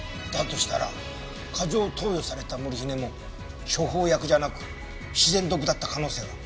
したら過剰投与されたモルヒネも処方薬じゃなく自然毒だった可能性も。